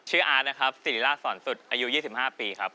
อาร์ตนะครับศิริราชสอนสุดอายุ๒๕ปีครับ